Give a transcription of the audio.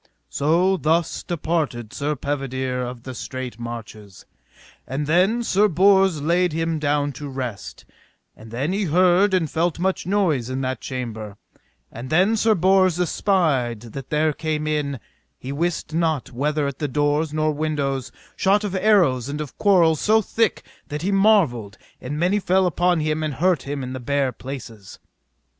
So thus departed Sir Pedivere of the Straight Marches. And then Sir Bors laid him down to rest, and then he heard and felt much noise in that chamber; and then Sir Bors espied that there came in, he wist not whether at the doors nor windows, shot of arrows and of quarrels so thick that he marvelled, and many fell upon him and hurt him in the bare places.